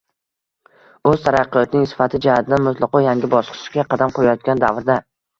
o‘z taraqqiyotining sifat jihatidan mutlaqo yangi bosqichiga qadam qo‘yayotgan davrda